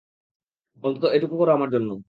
অন্তত, এটুকু করো আমার জন্য।